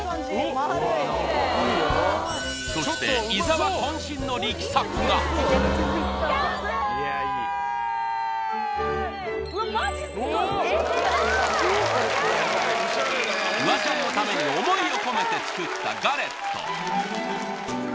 丸いそしてうわっマジすごいフワちゃんのために思いを込めて作ったガレット